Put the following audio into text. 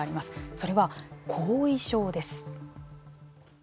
それは後遺症です。